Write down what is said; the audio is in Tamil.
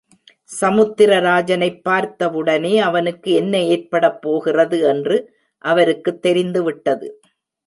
சமுத்திர ராஜனைப் பார்த்தவுடனே அவனுக்கு என்ன ஏற்படப் போகிறது என்று அவருக்குத் தெரிந்துவிட்டது.